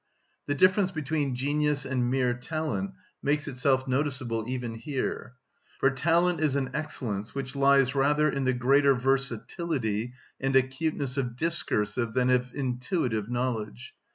The difference between genius and mere talent makes itself noticeable even here. For talent is an excellence which lies rather in the greater versatility and acuteness of discursive than of intuitive knowledge.